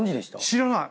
知らない。